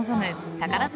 宝塚